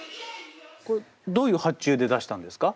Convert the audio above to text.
これどういう発注で出したんですか？